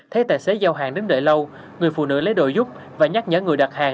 thấy tài xế giao hàng đến đợi lâu người phụ nữ lấy đội giúp và nhắc nhở người đặt hàng